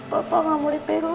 bapak ngamuri perut